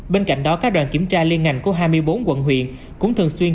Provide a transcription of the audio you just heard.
bên cạnh đó các đoàn kiểm tra liên ngành của hai mươi bốn quận huyện